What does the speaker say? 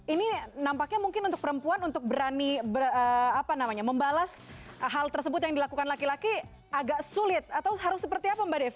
ini nampaknya mungkin untuk perempuan untuk berani membalas hal tersebut yang dilakukan laki laki agak sulit atau harus seperti apa mbak dev